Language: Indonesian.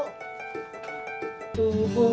terima kasih bu